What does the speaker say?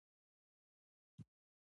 درواغجن حافظه نلري.